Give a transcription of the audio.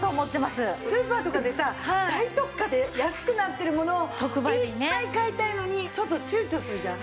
スーパーとかでさ大特価で安くなってるものをいっぱい買いたいのにちょっと躊躇するじゃん。